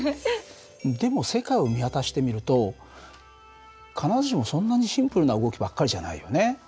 でも世界を見渡してみると必ずしもそんなにシンプルな動きばっかりじゃないよね。